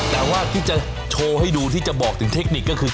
แต่ว่าที่จะโชว์ให้ดูที่จะบอกถึงเทคนิคก็คือ